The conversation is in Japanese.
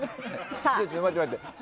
待って待って。